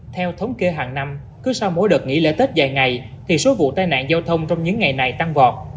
theo thống kê hàng năm cứ sau mỗi đợt nghỉ lễ tết dài ngày thì số vụ tai nạn giao thông trong những ngày này tăng vọt